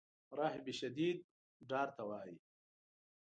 رهب شدید ډار ته وایي.